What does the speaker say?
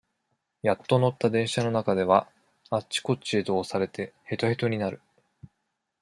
やっと乗った電車の中では、あっちこっちへと押されて、へとへとになる。